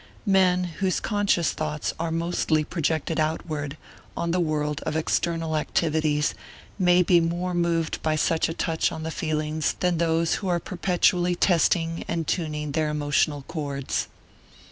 Men whose conscious thoughts are mostly projected outward, on the world of external activities, may be more moved by such a touch on the feelings than those who are perpetually testing and tuning their emotional chords.